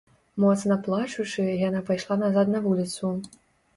Моцна плачучы, яна пайшла назад на вуліцу.